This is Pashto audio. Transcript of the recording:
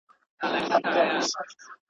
لكه زركي هم طنازي هم ښايستې وې.